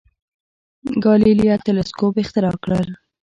ګالیله تلسکوپ اختراع کړ.